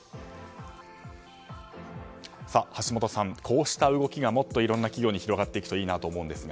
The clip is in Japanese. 橋下さん、こうした動きがもっといろんな企業に広がっていくといいなと思いますが。